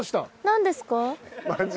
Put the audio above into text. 何ですか？